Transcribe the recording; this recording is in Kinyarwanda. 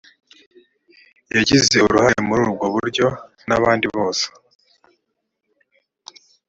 yagize uruhare muri ubwo buryo n abandi bose